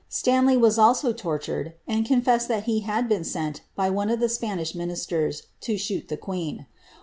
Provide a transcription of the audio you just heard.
Stanley was also tortured, and confessed that he had been sent by one of the Spanish ministere to shoot the queen.